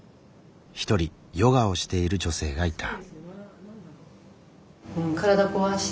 １人ヨガをしている女性がいた。